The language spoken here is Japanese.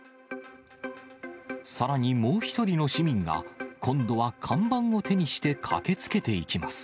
さらにもう１人の市民が、今度は看板を手にして駆けつけていきます。